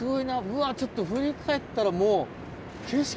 うわちょっと振り返ったらもう景色